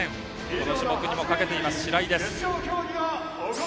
この種目にもかけています、白井。